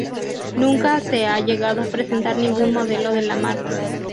Nunca se ha llegado a presentar ningún modelo de la marca.